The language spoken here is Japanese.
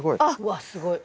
わっすごい。